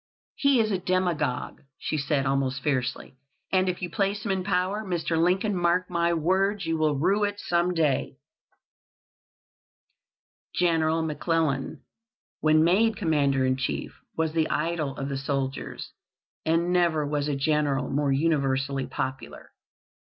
"He is a demagogue," she said, almost fiercely, "and if you place him in power, Mr. Lincoln, mark my words, you will rue it some day." General McClellan, when made Commander in Chief, was the idol of the soldiers, and never was a general more universally popular.